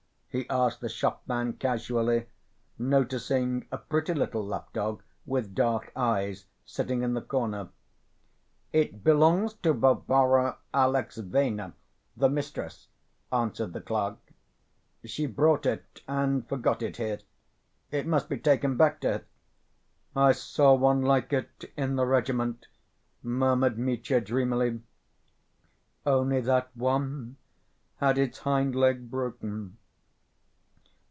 he asked the shopman, casually, noticing a pretty little lap‐dog with dark eyes, sitting in the corner. "It belongs to Varvara Alexyevna, the mistress," answered the clerk. "She brought it and forgot it here. It must be taken back to her." "I saw one like it ... in the regiment ..." murmured Mitya dreamily, "only that one had its hind leg broken....